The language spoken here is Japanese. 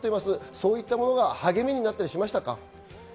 そういったものが励みになったりしましたか？